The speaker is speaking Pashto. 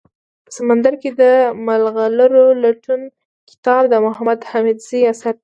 په سمندر کي دملغلرولټون کتاب دمحمودحميدزي اثر دئ